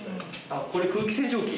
あっこれ空気清浄機？